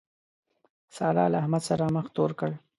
سارا له احمد سره مخ تور کړ.